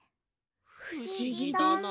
ふしぎだな。